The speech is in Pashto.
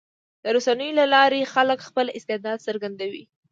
د رسنیو له لارې خلک خپل استعداد څرګندوي.